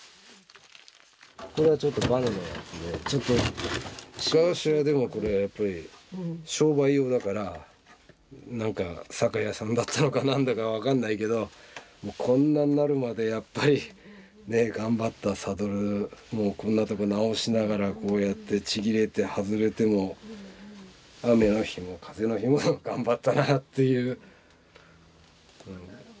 これはちょっとバネのやつで昔はでもこれやっぱり商売用だから酒屋さんだったのか何だか分かんないけどこんなになるまでやっぱりね頑張ったサドルこんなとこ直しながらこうやってちぎれて外れても雨の日も風の日も頑張ったなっていう。